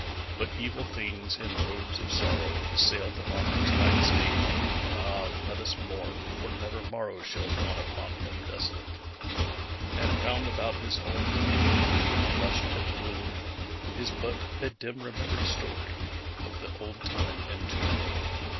But evil things, in robes of sorrow, Assailed the monarch's high estate. (Ah, let us mourn! for never morrow Shall dawn upon him desolate !) And round about his home the glory That blushed and bloomed, Is but a dim remembered story Of the old time entombed.